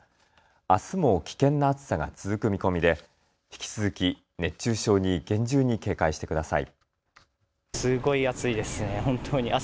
あすも危険な暑さが続く見込みで引き続き熱中症に厳重に警戒してください。